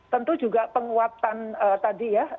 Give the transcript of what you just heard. tentu juga penguatan tadi ya